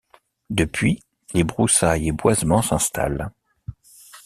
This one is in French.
Depuis, les broussailles et boisements s’installent.